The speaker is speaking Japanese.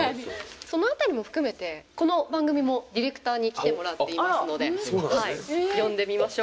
その辺りも含めてこの番組もディレクターに来てもらっていますので呼んでみましょう。